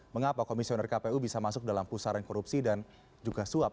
mengapa komisioner kpu bisa masuk dalam pusaran korupsi dan juga suap